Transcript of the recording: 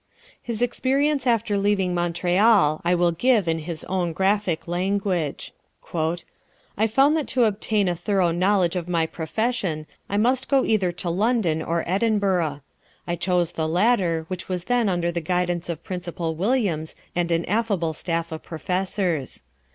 His experience after leaving Montreal I will give in his own graphic language: "I found that to obtain a thorough knowledge of my profession I must go either to London or Edinburgh. I chose the latter, which was then under the guidance of Principal Williams and an able staff of professors.